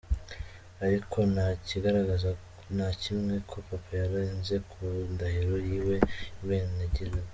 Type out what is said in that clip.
Ariko nta kigaragaza na kimwe ko Papa yarenze ku ndahiro yiwe y’ubwerentegerwa.